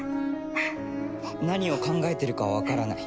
何を考えてるかはわからない。